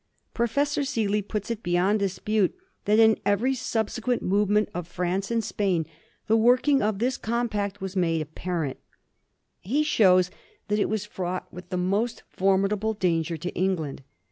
Professor Seely puts it beyond dispute that in every subsequent movement of France and Spain the 32 A HISTORY OF THE FOUR GEORGEa ch.xxii. working of this compact was made apparent. He shows that it was fraught with the most formidable danger to England.